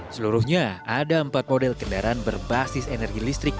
seluruhnya ada empat model kendaraan berbasis energi listrik